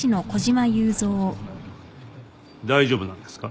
大丈夫なんですか？